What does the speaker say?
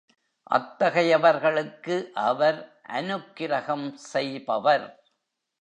அத்தகையவர்களுக்கு அவர் அநுக்கிரகம் செய்பவர்.